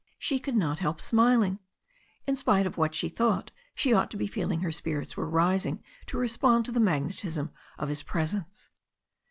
She could not help smiling. In spite of what she thought she ought to be feeling her spirits were rising to respond to the magnetism of his presence.